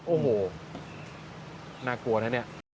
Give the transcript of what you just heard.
โอ้โหน่ากลัวนะเนี่ย